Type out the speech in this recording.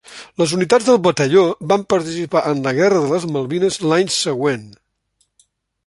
Les unitats del batalló van participar en la guerra de les Malvines l'any següent.